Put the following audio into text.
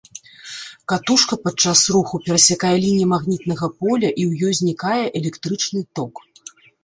Катушка пад час руху перасякае лініі магнітнага поля, і ў ёй узнікае электрычны ток.